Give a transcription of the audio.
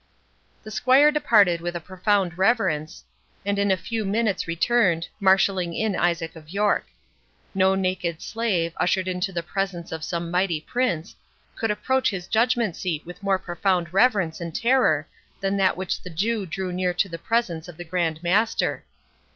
The squire departed with a profound reverence, and in a few minutes returned, marshalling in Isaac of York. No naked slave, ushered into the presence of some mighty prince, could approach his judgment seat with more profound reverence and terror than that with which the Jew drew near to the presence of the Grand Master.